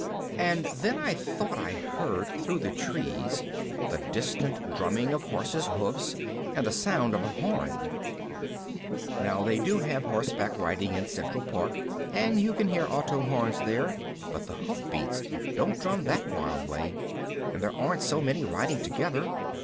_ And then I thought I heard, through the trees, the distant drumming of horses' hoofs and the sound of a horn. Now they do have horseback riding in Central Park and you can hear auto horns there, but the hoofbeats don't drum that wild way. And there aren't so many riding together.